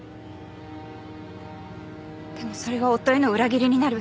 でもそれは夫への裏切りになる。